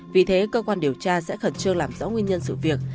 vì thế cơ quan điều tra sẽ khẩn trương làm rõ nguyên nhân sự việc